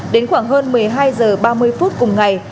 đến khoảng hơn một mươi hai h ba mươi phút cùng ngày